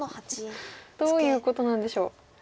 どういうことなんでしょう。